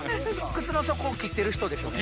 靴の底を切ってる人ですよね？